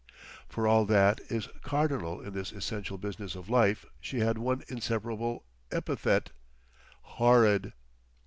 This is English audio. For all that is cardinal in this essential business of life she had one inseparable epithet—"horrid."